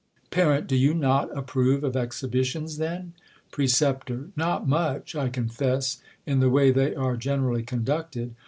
Par, Do you not approve of exhibitions then ? Precep, Not much, I confess, in the way they are ^generally conducted.